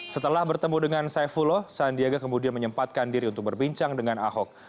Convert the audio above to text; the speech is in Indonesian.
setelah bertemu dengan saifullah sandiaga kemudian menyempatkan diri untuk berbincang dengan ahok